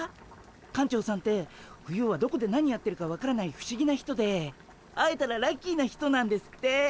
館長さんって冬はどこで何やってるか分からない不思議な人で会えたらラッキーな人なんですって。